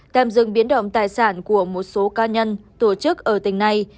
tạm dừng biến động tài sản của một số ca nhân tổ chức ở tỉnh này